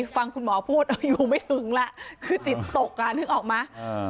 ฟังคุณหมอพูดไม่ถึงแล้วคือจิตตกล่ะนึกออกมา